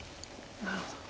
なるほど。